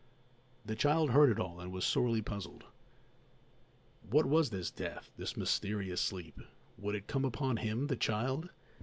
The child heard it all and was sorely puzzled. What was this death, this mysterious sleep? Would it come upon him, the child?